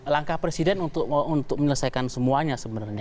langkah presiden untuk menyelesaikan semuanya sebenarnya